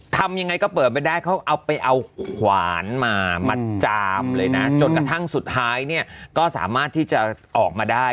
ทำยังไงก็เปิดไม่ได้เขาเอาไปเอาขวานมามาจามเลยนะจนกระทั่งสุดท้ายเนี่ยก็สามารถที่จะออกมาได้